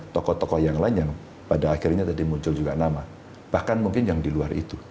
tokoh tokoh yang lain yang pada akhirnya tadi muncul juga nama bahkan mungkin yang di luar itu